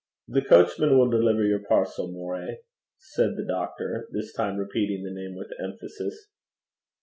'The coachman will deliver your parcel, Moray,' said the doctor, this time repeating the name with emphasis.